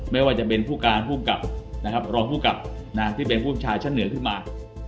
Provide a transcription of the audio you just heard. ไม่ว่าจะเป็นผู้การหรอกผู้กับที่เป็นผู้บัญชาชั้นเหนือขึ้นมา